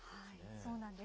そうなんです。